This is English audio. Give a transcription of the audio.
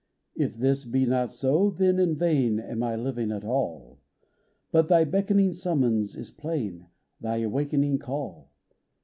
If this be not so, then in vain Am I living at all : But Thy beckoning summons is plain, Thy awakening call.